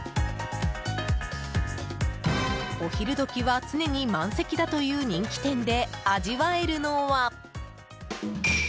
お昼時は常に満席だという人気店で味わえるのは。